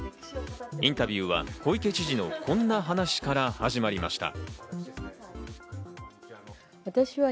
インタビューは小池知事のこんな話から始まりました。